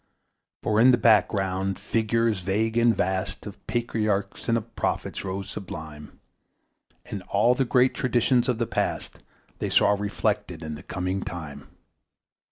For in the background figures vague and vast Of patriarchs and of prophets rose sublime, And all the great traditions of the Past They saw reflected in the coming time.